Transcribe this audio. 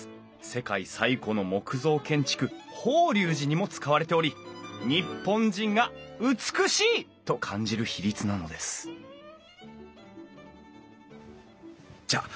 世界最古の木造建築法隆寺にも使われており日本人が美しいと感じる比率なのですじゃあ